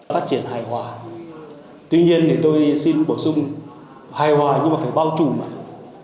phát triển hài hòa tuy nhiên thì tôi xin bổ sung hài hòa nhưng mà phải bao trùm mạnh